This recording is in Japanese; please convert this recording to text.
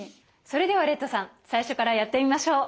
それではレッドさん最初からやってみましょう。